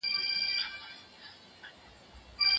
ملا باشي د کراماتو له لارې افغان مشرانو ته پیغام ورکړ.